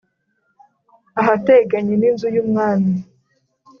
Ahateganye n inzu y umwami